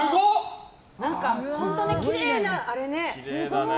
本当きれいな、あれね。